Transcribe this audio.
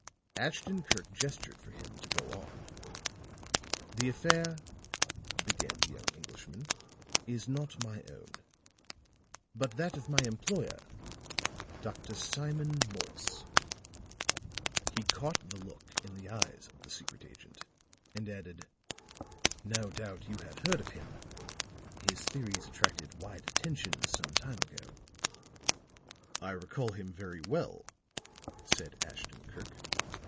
Ashton Kirk gestured for him to go on. "The affair," began the young Englishman, "is not my own, but that of my employer, Dr. Simon Morse." He caught the look in the eyes of the secret agent, and added: "No doubt you have heard of him; his theories attracted wide attention some time ago." "I recall him very well," said Ashton Kirk.